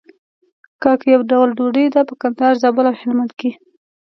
کاک يو ډول ډوډۍ ده په کندهار، زابل او هلمند کې.